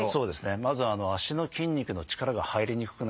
まず足の筋肉の力が入りにくくなる。